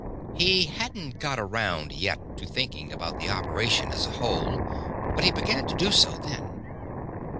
He hadn't got around yet to thinking about the operation as a whole, but he began to do so then.